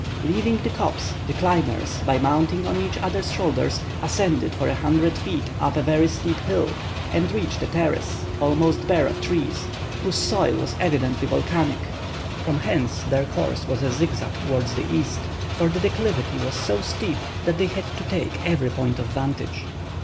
Leaving the copse, the climbers, by mounting on each other's shoulders, ascended for a hundred feet up a very steep hill, and reached a terrace, almost bare of trees, whose soil was evidently volcanic. From hence, their course was a zigzag towards the east, for the declivity was so steep that they had to take every point of vantage.